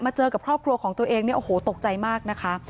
เจอกับครอบครัวของตัวเองเนี่ยโอ้โหตกใจมากนะคะ